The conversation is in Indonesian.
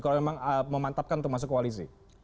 kalau memang memantapkan untuk masuk koalisi